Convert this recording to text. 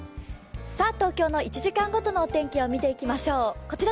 東京の１時間ごとの天気を見ていきましょう。